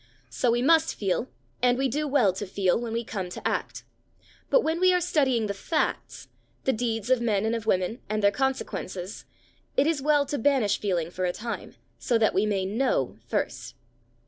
So we must feel, and we do well to feel, when we come to act; but when we are studying the facts,—the deeds of men and of women, and their consequences,—it is well to banish feeling for a time, so that we may know first.